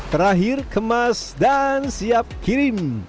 terakhir kemas dan siap kirim